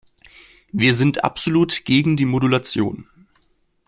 Wir sind absolut gegen die Modulation.